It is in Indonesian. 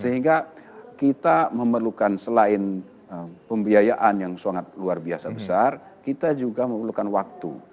sehingga kita memerlukan selain pembiayaan yang sangat luar biasa besar kita juga memerlukan waktu